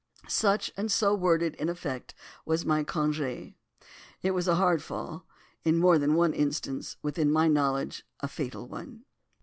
"Such, and so worded in effect, was my congé. It was a hard fall. In more than one instance within my knowledge a fatal one.